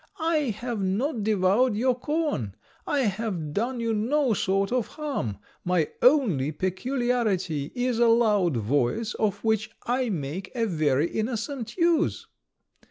I have not devoured your corn; I have done you no sort of harm. My only peculiarity is a loud voice, of which I make a very innocent use.'